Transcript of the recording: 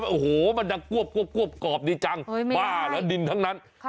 โอ้โหมันจะกวบกวบกวบกรอบดีจังบ้าแล้วดินทั้งนั้น